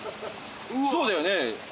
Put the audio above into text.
そうだよね